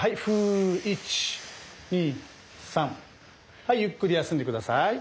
はいゆっくり休んで下さい。